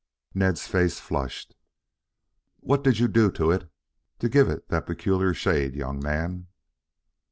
Ned's face flushed. "What did you do to it to give it that peculiar shade, young man?"